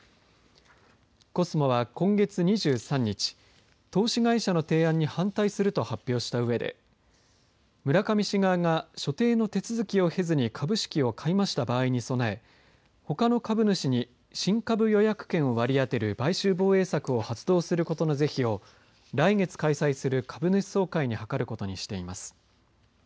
コスモは今月２３日投資会社の提案に反対すると発表したうえで村上氏側が所定の手続きを経ずに株式を買い増した場合に備えほかの株主に新株予約権を割り当てる買収防衛策を発動することの是非を来月開催する株主総会に諮ることにしています。